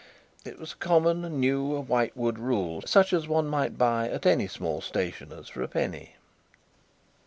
It was a common new white wood rule, such as one might buy at any small stationer's for a penny.